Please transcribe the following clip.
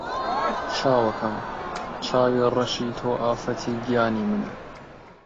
چاوەکەم! چاوی ڕەشی تۆ ئافەتی گیانی منە